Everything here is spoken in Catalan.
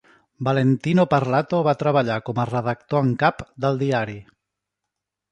Valentino Parlato va treballar com a redactor en cap del diari.